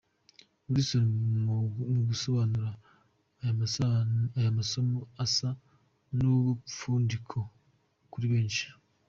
Wilson mu gusobanura aya masomo asa n’ubufindo kuri benshi.